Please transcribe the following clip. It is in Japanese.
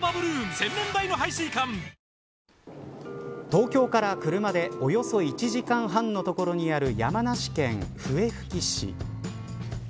東京から車でおよそ１時間半の所にある山梨県笛吹市。